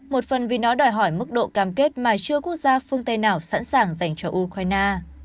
một phần vì nó đòi hỏi mức độ cam kết mà chưa quốc gia phương tây nào sẵn sàng dành cho ukraine